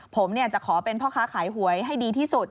ผมจะขอเป็นพ่อค้าขายหวยให้ดีที่สุด